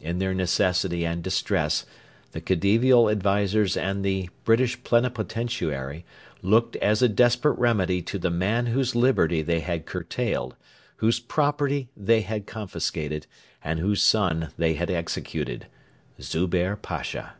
In their necessity and distress the Khedivial advisers and the British plenipotentiary looked as a desperate remedy to the man whose liberty they had curtailed, whose property they had confiscated, and whose son they had executed Zubehr Pasha.